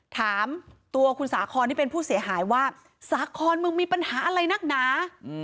ถามตัวคุณสาคอนที่เป็นผู้เสียหายว่าสาครมึงมีปัญหาอะไรนักหนา